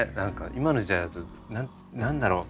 今の時代だと何だろう？